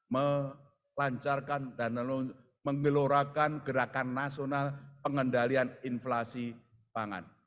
melancarkan dan menggelorakan gerakan nasional pengendalian inflasi pangan